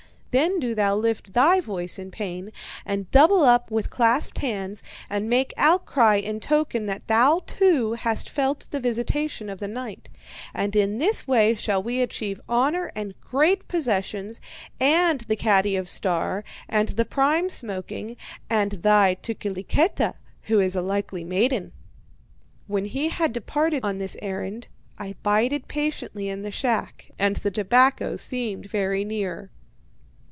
Then do thou lift thy voice in pain and double up with clasped hands, and make outcry in token that thou, too, hast felt the visitation of the night. And in this way shall we achieve honour and great possessions, and the caddy of "Star" and the prime smoking, and thy Tukeliketa, who is a likely maiden.' "When he had departed on this errand, I bided patiently in the shack, and the tobacco seemed very near.